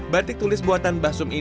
batik tulis buatan mbah sum ini